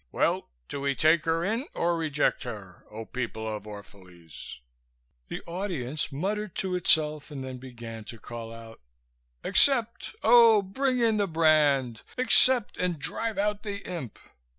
Well, do we take her in or reject her, O people of Orphalese?" The audience muttered to itself and then began to call out: "Accept! Oh, bring in the brand! Accept and drive out the imp!"